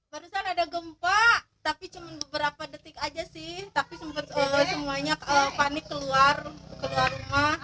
barusan ada gempa tapi cuma beberapa detik aja sih tapi sempat semuanya panik keluar rumah